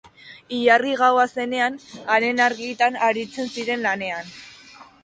Ilargi-gaua zenean, haren argitan aritzen ziren lanean.